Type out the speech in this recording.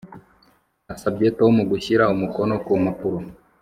Nasabye Tom gushyira umukono ku mpapuro